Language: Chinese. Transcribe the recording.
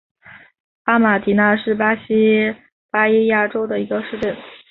阿马迪纳是巴西巴伊亚州的一个市镇。